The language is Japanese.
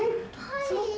そっか。